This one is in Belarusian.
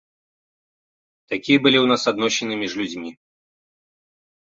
Такія былі ў нас адносіны між людзьмі.